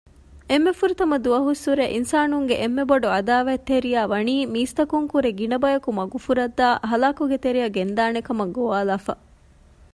އެންމެ ފުރަތަމަ ދުވަހުއްސުރެ އިންސާނުންގެ އެންމެބޮޑު ޢަދާވާތްތެރިޔާވަނީ މީސްތަކުންކުރެ ގިނަބަޔަކު މަގުފުރައްދައި ހަލާކުގެތެރެއަށް ގެންދާނެކަމަށް ގޮވާލައިފަ